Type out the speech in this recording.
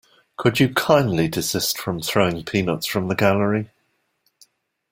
Could you kindly desist from throwing peanuts from the gallery?